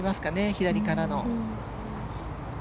左からの。